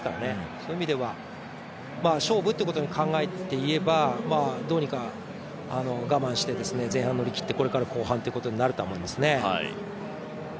そういう意味では勝負ということに考えていえばどうにか我慢して前半を乗り切ってこれから後半ということにはなると思うんですね。